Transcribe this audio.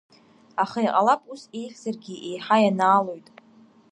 Аха, иҟалап, ус еиӷьзаргьы еиҳа ианаалоит.